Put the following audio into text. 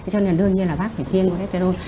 cho nên là đương nhiên là bác phải kiêng cholesterol